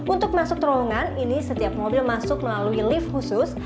untuk masuk terowongan ini setiap mobil masuk melalui lift khusus